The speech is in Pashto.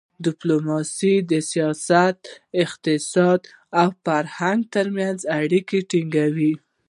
ډیپلوماسي د سیاست، اقتصاد او فرهنګ ترمنځ اړیکه ټینګوي.